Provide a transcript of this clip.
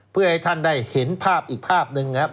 เพื่อให้ท่านได้เห็นภาพอีกภาพหนึ่งนะครับ